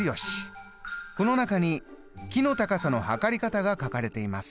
この中に木の高さの測り方が書かれています。